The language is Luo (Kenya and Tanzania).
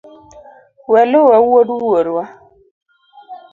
Weluwa wuod wuorwa.